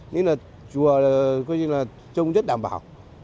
nên là chùa trông rất đảm bảo